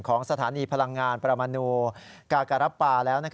ของสถานีพลังงานประมนูกาการับปาแล้ว